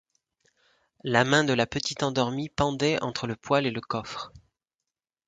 La main de la petite endormie pendait entre le poêle et le coffre.